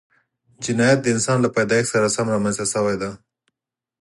جنایت د انسان له پیدایښت سره سم رامنځته شوی دی